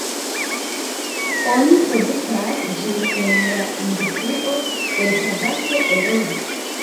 Oni produktas ĝin en la industrio el tabak-eroj.